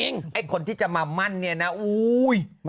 นี่นี่นี่นี่